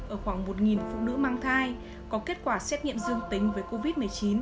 ở khoảng một phụ nữ mang thai có kết quả xét nghiệm dương tính với covid một mươi chín